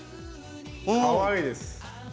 かわいいです！